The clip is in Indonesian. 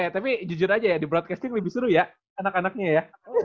tapi jujur aja ya di broadcasting lebih seru ya anak anaknya ya